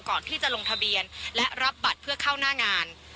ก่อนที่จะลงทะเบียนและรับบัตรเพื่อเข้าหน้างาน